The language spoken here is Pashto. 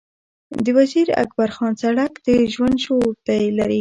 د وزیر اکبرخان سړک د ژوند شور لري.